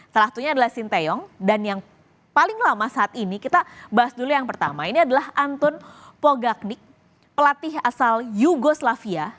salah satunya adalah sinteyong dan yang paling lama saat ini kita bahas dulu yang pertama ini adalah antun pogaknik pelatih asal yugoslavia